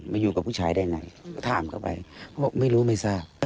อยู่กับผู้ชายได้ไหนก็ถามเขาไปเขาบอกไม่รู้ไม่ทราบ